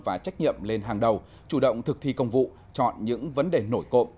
và trách nhiệm lên hàng đầu chủ động thực thi công vụ chọn những vấn đề nổi cộng